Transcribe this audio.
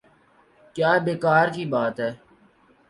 کیا بیکار کی بات ہے۔